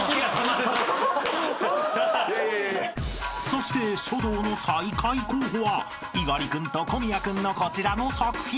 ［そして書道の最下位候補は猪狩君と小宮君のこちらの作品］